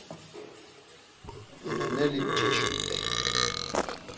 Uneneli mç̌eşumt̆ey.